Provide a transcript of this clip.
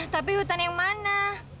tapi hutan yang mana